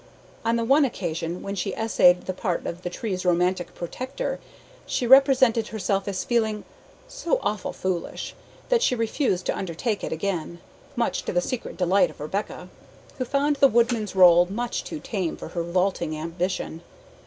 On the one occasion when she essayed the part of the tree's romantic protector, she represented herself as feeling "so awful foolish" that she refused to undertake it again, much to the secret delight of Rebecca, who found the woodman's role much too tame for her vaulting ambition.